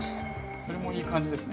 それもいい感じですね。